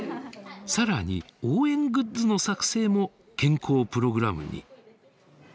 さらに応援グッズの作成も健康プログラムに。